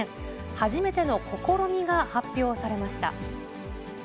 初めての試みが発表されました。